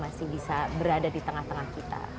masih bisa berada di tengah tengah kita